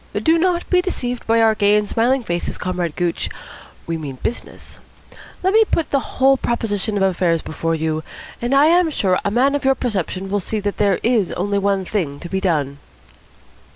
Do not be deceived by our gay and smiling faces, Comrade Gooch. We mean business. Let me put the whole position of affairs before you; and I am sure a man of your perception will see that there is only one thing to be done."